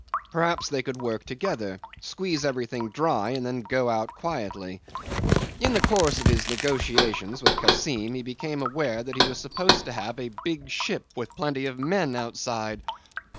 Perhaps they could work together squeeze everything dry and then go out quietly. In the course of his negotiations with Kassim he became aware that he was supposed to have a big ship with plenty of men outside.